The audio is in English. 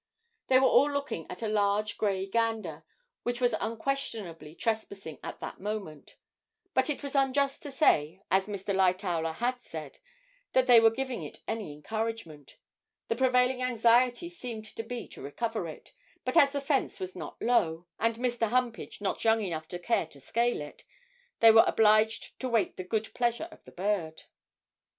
They were all looking at a large grey gander, which was unquestionably trespassing at that moment; but it was unjust to say, as Mr. Lightowler had said, that they were giving it any encouragement; the prevailing anxiety seemed to be to recover it, but as the fence was not low, and Mr. Humpage not young enough to care to scale it, they were obliged to wait the good pleasure of the bird.